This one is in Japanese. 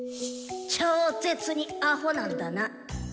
超ッ絶にアホなんだな。